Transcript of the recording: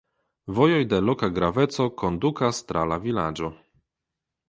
Vojoj de loka graveco kondukas tra la vilaĝo.